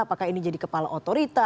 apakah ini jadi kepala otorita